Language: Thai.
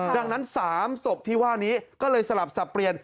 ดังนั้น๓ศพที่ว่านี้ก็เลยสลับสับเปลี่ยน